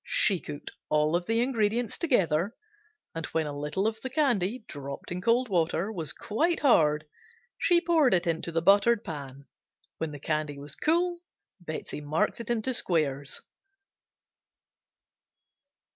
She cooked all of the ingredients together, and when a little of the candy, dropped in cold water, was quite hard, she poured it into the buttered pan. When the candy was cool Betsey marked it into squares.